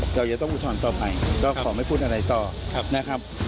เราจะต้องอุทธรณ์ต่อไปก็ขอไม่พูดอะไรต่อนะครับ